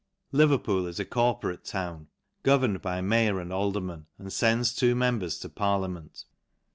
Leverpool is a corporate town, governed by * mayor and aldermen, and fends two members tc parliament.